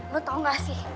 lu tau gak sih